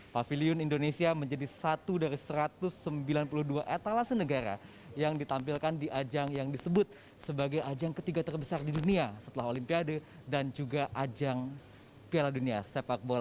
pavilion indonesia menjadi satu dari satu ratus sembilan puluh dua etalase negara yang ditampilkan di ajang yang disebut sebagai ajang ketiga terbesar di dunia setelah olimpiade dan juga ajang piala dunia sepak bola